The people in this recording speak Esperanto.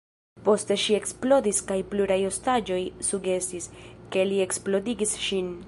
Poste ŝi eksplodis kaj pluraj ostaĝoj sugestis, ke li eksplodigis ŝin.